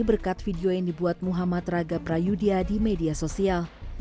berkat video yang dibuat muhammad raga prayudya di media sosial